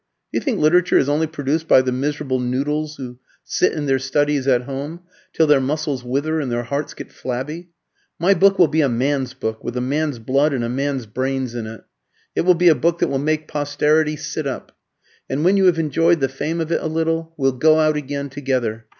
Do you think literature is only produced by the miserable noodles who sit in their studies at home, till their muscles wither and their hearts get flabby? My book will be a man's book, with a man's blood and a man's brains in it. It will be a book that will make posterity sit up. And when you have enjoyed the fame of it a little, we'll go out again together.